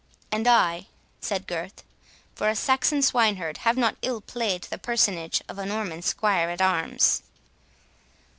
"And I," said Gurth, "for a Saxon swineherd, have not ill played the personage of a Norman squire at arms."